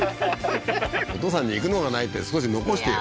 お父さんに行くのがないって少し残してよ